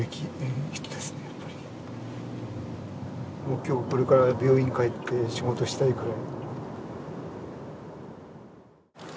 今日これから病院に帰って仕事したいくらい。